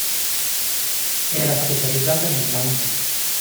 Era specializzata nel danzón.